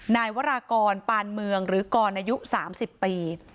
นายวรากรปานเมืองหรือกรอายุ๓๐ปี